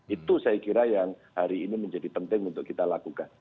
itu saya kira yang hari ini menjadi penting untuk kita lakukan